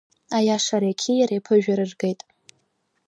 Аиашареи ақьиареи аԥыжәара ргеит!